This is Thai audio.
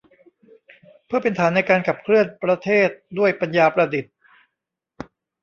เพื่อเป็นฐานในการขับเคลื่อนประเทศด้วยปัญญาประดิษฐ์